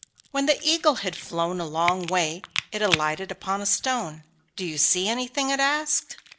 When the Eagle had flown a long way it alighted on a stone. 'Do you see anything?' it asked.